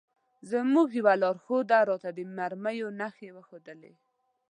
زموږ یوه لارښود راته د مرمیو نښې وښودلې.